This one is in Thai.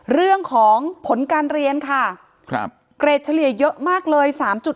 เรื่องของผลการเรียนค่ะครับเกรดเฉลี่ยเยอะมากเลย๓๗